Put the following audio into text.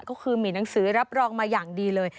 ก็คือมีหนังสือรับรองมาอย่างดีเลย